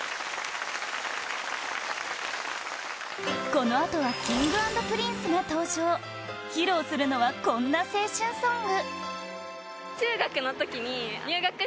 このあとは Ｋｉｎｇ＆Ｐｒｉｎｃｅ が登場披露するのはこんな青春ソング